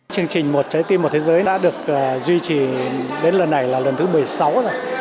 chương trình một trái tim một thế giới đã được duy trì đến lần này là lần thứ một mươi sáu rồi